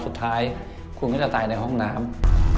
สุดท้ายคุณก็จะตายในห้องน้ำ